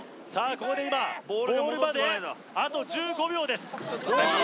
ここで今ボールまであと１５秒です